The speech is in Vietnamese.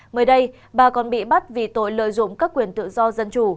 mới đây bà còn bị bắt vì tội lợi dụng các quyền tự do dân chủ